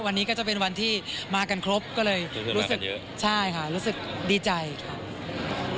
วันนี้ก็จะเป็นวันที่มากันครบก็เลยรู้สึกใช่ค่ะรู้สึกดีใจค่ะ